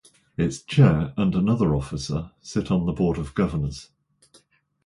Its Chair and another officer sit on the board of governors.